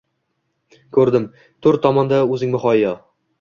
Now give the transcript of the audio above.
Ko‘rdim – to‘rt tomonda o‘zing muhayyo